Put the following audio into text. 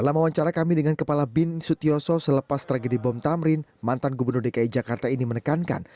dalam wawancara kami dengan kepala bin sutyoso selepas tragedi bom tamrin mantan gubernur dki jakarta ini menekankan